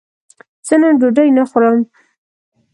زه نن ډوډی نه خورم